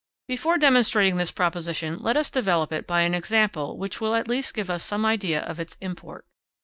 _ Before demonstrating this proposition, let us develop it by an example which will at least give us some idea of its import.